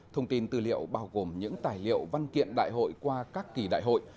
thông tin tư liệu bao gồm những tài liệu văn kiện đại hội qua các kỳ đại hội